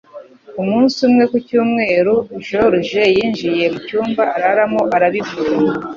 Umunsi umwe ku cyumweru, George yinjiye mu cyumba araramo arabivuga.